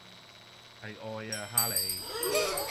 係愛呀哈利